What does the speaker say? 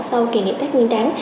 sau kỷ niệm tết nguyên đáng